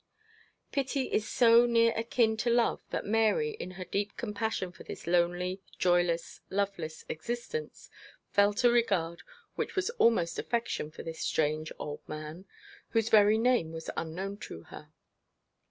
Pity is so near akin to love that Mary, in her deep compassion for this lonely, joyless, loveless existence, felt a regard which was almost affection for this strange old man, whose very name was unknown to her.